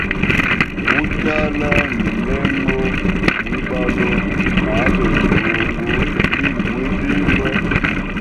Uchala ni ndego mwibalo na abejya mbungu lili mwitimba.